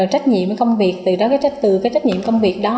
trách nhiệm với công việc từ đó cái trách nhiệm công việc đó